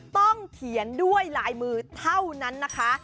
ต้องเขียนด้วยลายมือเท่านั้นนะคะ